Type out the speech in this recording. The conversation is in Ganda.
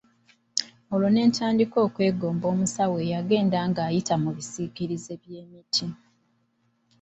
Olwo ne ntandika okwegomba omusawo eyagenda ng'ayita mu bisiikirize by'emiti.